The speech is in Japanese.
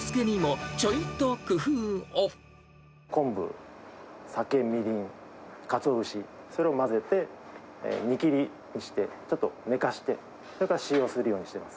昆布、酒、みりん、かつお節、それを混ぜて、煮切りにして、ちょっと寝かせて、それから使用するようにしてます。